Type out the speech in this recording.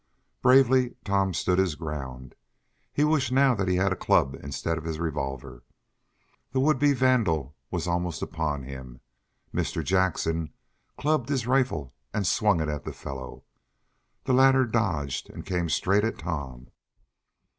Bravely Tom stood his ground. He wished now that he had a club instead of his revolver. The would be vandal was almost upon him. Mr. Jackson clubbed his rifle and swung it at the fellow. The latter dodged, and came straight at Tom.